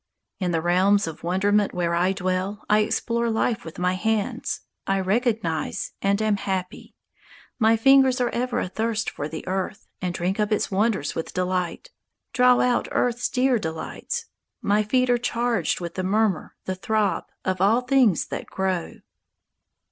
In the realms of wonderment where I dwell I explore life with my hands; I recognize, and am happy; My fingers are ever athirst for the earth, And drink up its wonders with delight, Draw out earth's dear delights; My feet are charged with the murmur, The throb, of all things that grow.